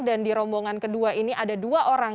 dan di rombongan kedua ini ada dua orang